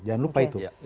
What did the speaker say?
jangan lupa itu